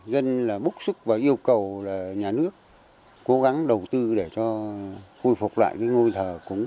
dân búc sức và yêu cầu nhà nước cố gắng đầu tư để khôi phục lại ngôi thờ cúng